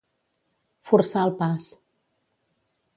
Forçar el pas.